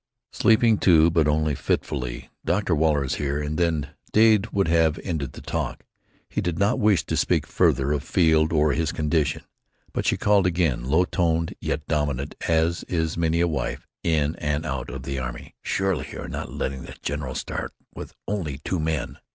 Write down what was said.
"Sleeping, too, but only fitfully. Dr. Waller is here," and then Dade would have ended the talk. He did not wish to speak further of Field or his condition. But she called again, low toned, yet dominant, as is many a wife in and out of the army. "Surely you are not letting the general start with only two men!"